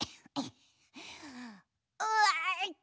うわっと。